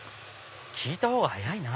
聞いたほうが早いな。